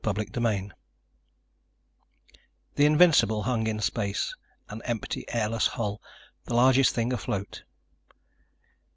CHAPTER FOURTEEN The Invincible hung in space, an empty, airless hull, the largest thing afloat.